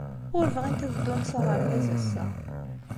Ur bɣint ad ddunt s aɣerbaz ass-a.